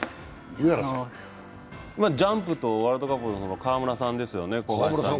ジャンプとワールドカップの川村さんですよね。